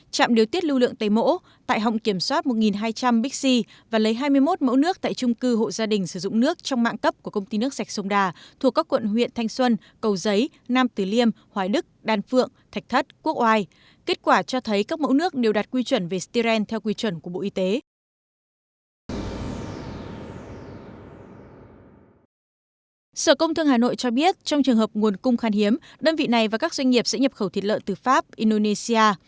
công thương hà nội cho biết trong trường hợp nguồn cung khan hiếm đơn vị này và các doanh nghiệp sẽ nhập khẩu thịt lợn từ pháp indonesia